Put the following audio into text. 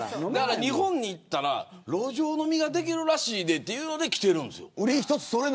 日本に行ったら路上飲みができるらしいでということで来てるんですよ。